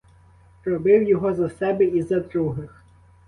Робив його за себе і за других.